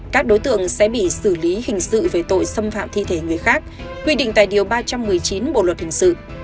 các đối tượng sẽ bị xử lý hình sự về tội xâm phạm thi thể người khác quy định tại điều ba trăm một mươi chín bộ luật hình sự